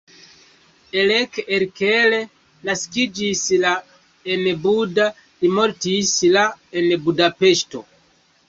Elek Erkel naskiĝis la en Buda, li mortis la en Budapeŝto.